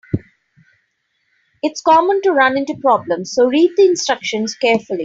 It's common to run into problems, so read the instructions carefully.